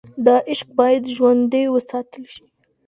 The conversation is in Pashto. دا عشق باید ژوندی وساتل شي.